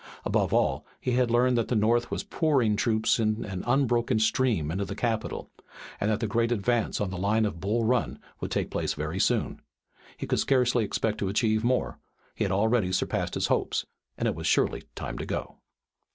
Above all he had learned that the North was pouring troops in an unbroken stream into the capital, and that the great advance on the line of Bull Run would take place very soon. He could scarcely expect to achieve more; he had already surpassed his hopes, and it was surely time to go.